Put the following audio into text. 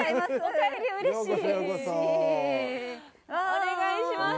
お願いします。